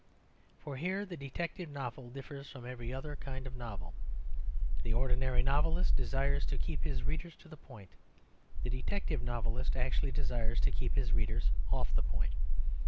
For here the detective novel differs from every other kind of novel. The ordinary novelist desires to keep his readers to the point; the detective novelist actually desires to keep his readers off the point.